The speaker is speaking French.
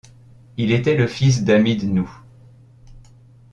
Il était le fils de Hamid Nouh.